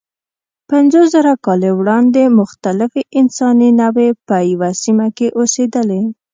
پنځوسزره کاله وړاندې مختلفې انساني نوعې په یوه سیمه کې اوسېدلې.